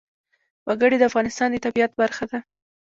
وګړي د افغانستان د طبیعت برخه ده.